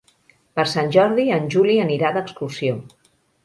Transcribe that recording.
Per Sant Jordi en Juli anirà d'excursió.